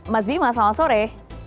mas bima selamat sore